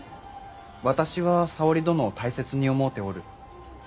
私は沙織殿を大切に思うておる。